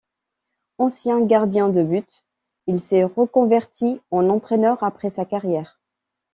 Ancien gardien de but, il s'est reconverti en entraîneur après sa carrière.